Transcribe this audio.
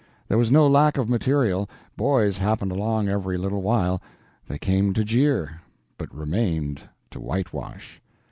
There was no lack of material; boys happened along every little while; they came to jeer, but remained to whitewash.